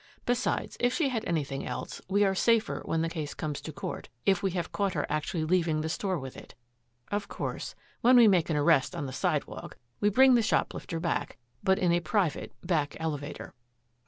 Besides, if she had anything else, we are safer when the case comes to court, if we have caught her actually leaving the store with it. Of course, when we make an arrest on the sidewalk, we bring the shoplifter back, but in a private, back elevator."